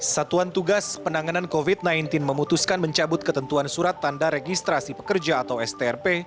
satuan tugas penanganan covid sembilan belas memutuskan mencabut ketentuan surat tanda registrasi pekerja atau strp